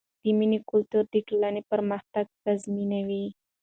د مینې کلتور د ټولنې پرمختګ تضمینوي.